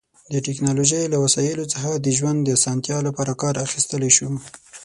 د ټیکنالوژی له وسایلو څخه د ژوند د اسانتیا لپاره کار اخیستلی شو